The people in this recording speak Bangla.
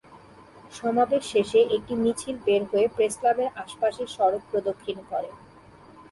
সমাবেশ শেষে একটি মিছিল বের হয়ে প্রেসক্লাবের আশপাশের সড়ক প্রদক্ষিণ করে।